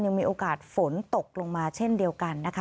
มีโอกาสฝนตกลงมาเช่นเดียวกันนะคะ